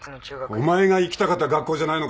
お前が行きたかった学校じゃないのか？